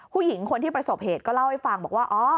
ผู้หญิงคนที่ประสบเหตุก็เล่าให้ฟังบอกว่า